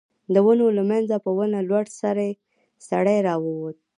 د ونو له مينځه په ونه لوړ سړی را ووت.